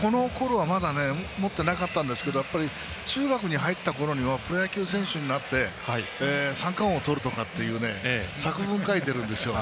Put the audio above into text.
このころはまだ持ってなかったんですけどやっぱり、中学に入ったころにはプロ野球選手になって三冠王とるとかっていう作文書いてるんですよ。